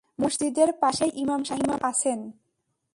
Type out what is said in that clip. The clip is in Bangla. মসজিদের পাশেই ইমাম সাহেব আছেন।